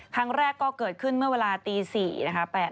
ครั้งแรกก็เกิดขึ้นเมื่อเวลาตี๔นะคะ